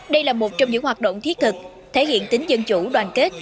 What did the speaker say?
đây là một trong những hoạt động thiết thực thể hiện tính dân chủ đoàn kết